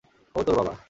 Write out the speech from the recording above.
ও তোর বাবা।